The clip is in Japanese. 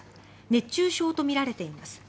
熱中症とみられています。